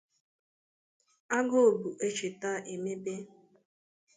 Agụụ bụ echete ebeme